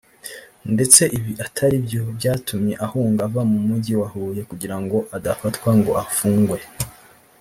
ndetse ibi atari byo byatumye ahunga ava mu Mujyi wa Huye kugira ngo adafatwa ngo afungwe